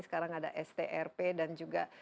sekarang ada strp dan juga